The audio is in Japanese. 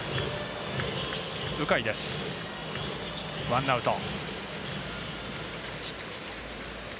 ワンアウト。